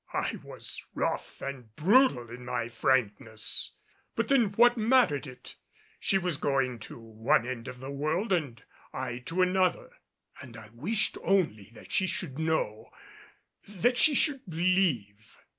I was rough and brutal in my frankness. But then what mattered it? She was going to one end of the world, and I to another; and I wished only that she should know that she should believe.